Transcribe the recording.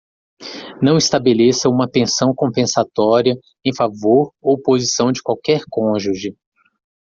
Não estabeleça uma pensão compensatória em favor ou posição de qualquer cônjuge.